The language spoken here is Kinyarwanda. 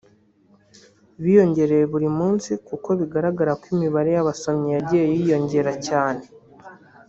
biyongera buri munsi kuko bigaragara ko imibare y’abasomyi yagiye yiyongera cyane